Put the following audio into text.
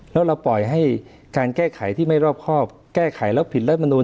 แล้วเราปล่อยให้การแก้ไขที่ไม่รอบครอบแก้ไขแล้วผิดรัฐมนุน